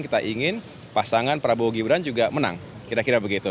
kita ingin pasangan prabowo gibran juga menang kira kira begitu